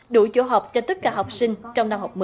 đủ chỗ học cho tất cả học sinh trong năm học mới